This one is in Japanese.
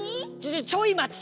ちょいまち！